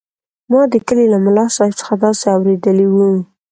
ما د کلي له ملاصاحب څخه داسې اورېدلي وو.